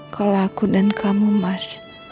kalau aku dan kamu mas